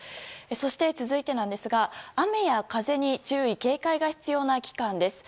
そして、続いてですが雨や風に注意・警戒が必要な期間です。